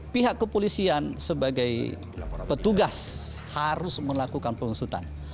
pihak kepolisian sebagai petugas harus melakukan pengusutan